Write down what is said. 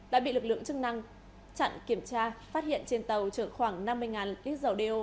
đã bị lực lượng chức năng chặn kiểm tra phát hiện trên tàu chở khoảng năm mươi lít dầu đeo